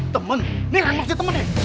temen nih reaksinya temen nih